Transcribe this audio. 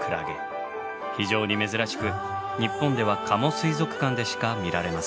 非常に珍しく日本では加茂水族館でしか見られません。